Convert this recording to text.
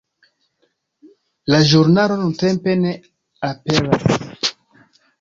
La ĵurnalo nuntempe ne aperas.